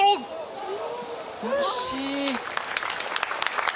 惜しい。